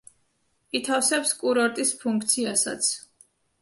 ითავსებს კურორტის ფუნქციასაც.